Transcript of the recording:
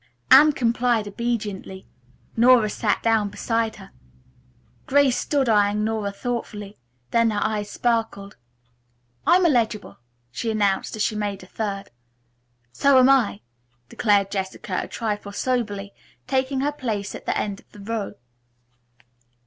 Anne complied obediently. Nora sat down beside her. Grace stood eyeing Nora thoughtfully. Then her eyes sparkled. "I'm eligible," she announced as she made a third. "So am I," declared Jessica a trifle soberly, taking her place at the other end of the row.